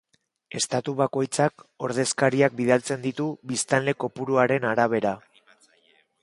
Estatu bakoitzak ordezkariak bidaltzen ditu biztanle kopuruaren arabera.